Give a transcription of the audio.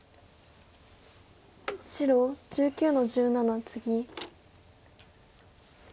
白１９の十七ツギ。